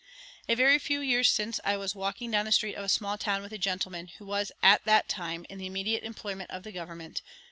A very few years since I was walking down the street of a small town with a gentleman who was at that time in the immediate employment of the Government.